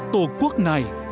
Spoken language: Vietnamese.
tổ quốc này